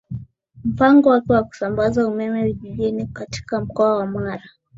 mpango wake wa kusambaza umeme vijijini katika Mkoa wa Mara